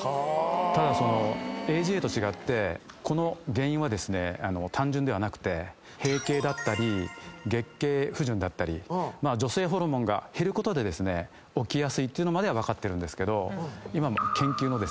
ただＡＧＡと違ってこの原因は単純ではなくて閉経だったり月経不順だったり女性ホルモンが減ることで起きやすいっていうのまでは分かってるんですけど今も研究の途中ですね。